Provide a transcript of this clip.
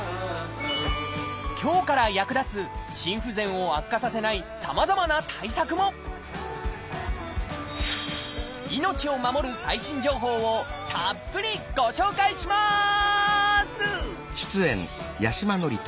今日から役立つ心不全を悪化させないさまざまな対策も命を守る最新情報をたっぷりご紹介します！